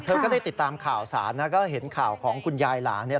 ก็ได้ติดตามข่าวสารนะก็เห็นข่าวของคุณยายหลานเนี่ย